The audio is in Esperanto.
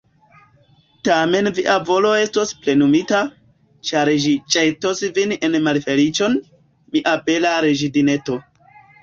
Tamen via volo estos plenumita, ĉar ĝi ĵetos vin en malfeliĉon, mia bela reĝidineto.